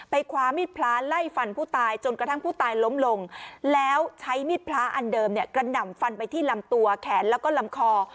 คว้ามีดพระไล่ฟันผู้ตายจนกระทั่งผู้ตายล้มลงแล้วใช้มีดพระอันเดิมเนี่ยกระหน่ำฟันไปที่ลำตัวแขนแล้วก็ลำคอ